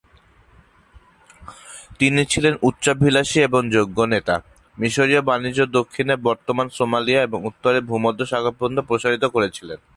তিনি ছিলেন উচ্চাভিলাষী এবং যোগ্য নেতা, মিশরীয় বাণিজ্য দক্ষিণে বর্তমান সোমালিয়া এবং উত্তরে ভূমধ্যসাগর পর্যন্ত প্রসারিত করেছিলেন।